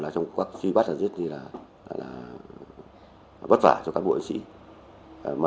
truy bắt rất bất vả cho cán bộ